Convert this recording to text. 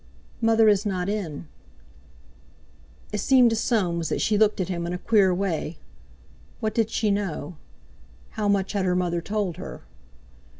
"Mother is not in." It seemed to Soames that she looked at him in a queer way. What did she know? How much had her mother told her?